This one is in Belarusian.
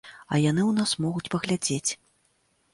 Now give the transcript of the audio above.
А яны ў нас могуць паглядзець.